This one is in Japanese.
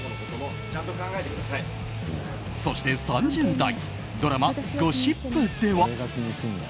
そして３０代ドラマ「ゴシップ」では。